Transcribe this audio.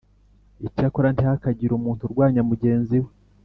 Icyakora ntihakagire umuntu urwanya mugenzi we